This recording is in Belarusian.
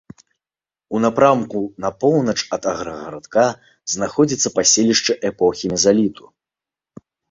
У напрамку на поўнач ад аграгарадка знаходзіцца паселішча эпохі мезаліту.